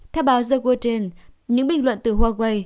theo báo the guardian những bình luận từ huawei